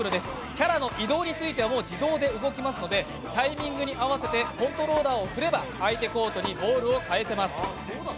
キャラの移動については自動で動きますのでタイミングに合わせて、コントローラーを振れば、相手コートにボールを返せます。